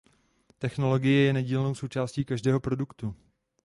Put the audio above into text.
Technologie je nedílnou součástí každého produktu.